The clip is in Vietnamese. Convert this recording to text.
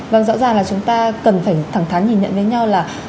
vâng rõ ràng là chúng ta cần phải thẳng thắn nhìn nhận với nhau là